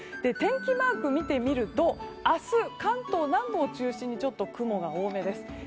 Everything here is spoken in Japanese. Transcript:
天気マークを見てみると明日、関東南部を中心に雲が多めです。